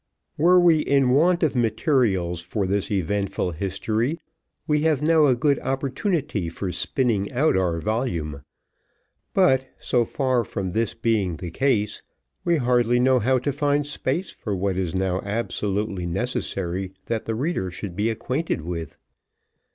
Were we in want of materials for this eventful history, we have now a good opportunity for spinning out our volumes; but, so far from this being the case, we hardly know how to find space for what it is now absolutely necessary that the reader should be acquainted with.